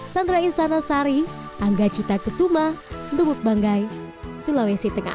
sangrainsana sari anggacita kesuma dubuk banggai sulawesi tengah